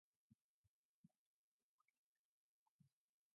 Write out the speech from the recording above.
The album was produced by Brian Rawling.